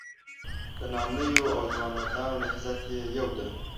د نامیانو او ځوانمردانو نهضت یې یوه ده.